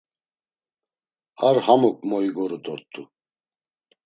Ar hamuk moigoru dort̆u.